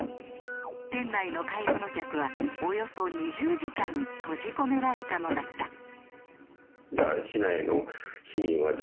店内の買い物客はおよそ２０時間閉じ込められたのだった。